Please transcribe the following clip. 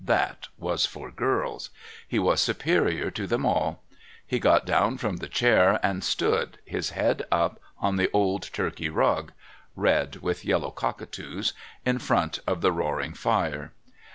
That was for girls. He was superior to them all. He got down from the chair and stood, his head up, on the old Turkey rug (red with yellow cockatoos) in front of the roaring fire.